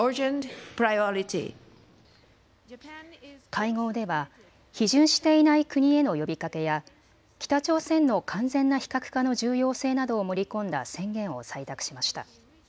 会合では批准していない国への呼びかけや北朝鮮の完全な非核化の重要性などを盛り込んだ宣言を採択しました。